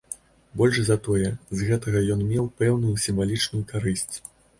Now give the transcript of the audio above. Больш за тое, з гэтага ён меў пэўную сімвалічную карысць.